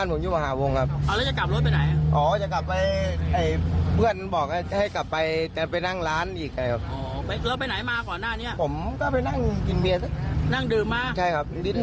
ไม่เมาหรอก